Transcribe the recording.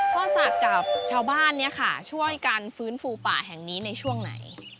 พ่อศักดิ์กับชาวบ้านเนี่ยค่ะช่วยกันฟื้นฟูป่าแห่งนี้ในช่วงไหน